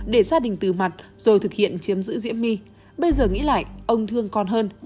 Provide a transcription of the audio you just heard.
để gia đình từ mặt rồi thực hiện chiếm giữ diễm my bây giờ nghĩ lại ông thương con hơn